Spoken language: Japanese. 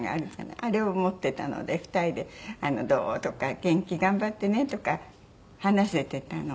あれを持ってたので２人で「どう？」とか「元気？」「頑張ってね」とか話せてたの。